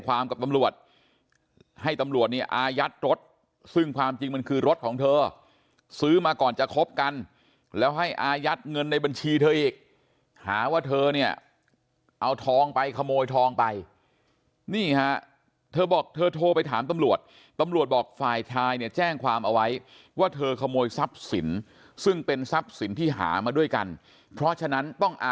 กับตำรวจให้ตำรวจเนี่ยอายัดรถซึ่งความจริงมันคือรถของเธอซื้อมาก่อนจะคบกันแล้วให้อายัดเงินในบัญชีเธออีกหาว่าเธอเนี่ยเอาทองไปขโมยทองไปนี่ฮะเธอบอกเธอโทรไปถามตำรวจตำรวจบอกฝ่ายชายเนี่ยแจ้งความเอาไว้ว่าเธอขโมยทรัพย์สินซึ่งเป็นทรัพย์สินที่หามาด้วยกันเพราะฉะนั้นต้องอา